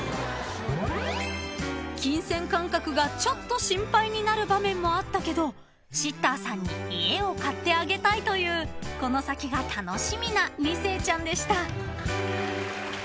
［金銭感覚がちょっと心配になる場面もあったけどシッターさんに家を買ってあげたいというこの先が楽しみな２世ちゃんでした］